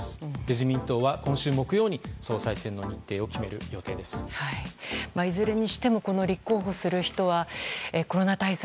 自民党は今週木曜に総裁選の日程をいずれにしても立候補する人はコロナ対策